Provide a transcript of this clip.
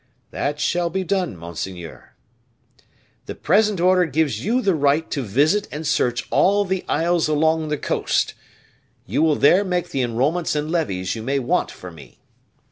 "That shall be done, monseigneur." "The present order gives you the right to visit and search all the isles along the coast; you will there make the enrolments and levies you may want for me."